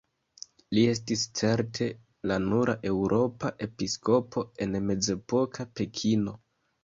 Li estis certe la nura eŭropa episkopo en mezepoka Pekino.